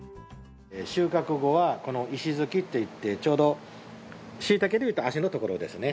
収穫後はこの石づきっていってちょうどしいたけでいうと足のところですね。